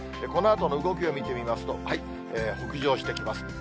このあとの動きを見てみますと、北上してきます。